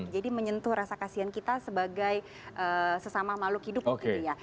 jadi menyentuh rasa kasihan kita sebagai sesama makhluk hidup gitu ya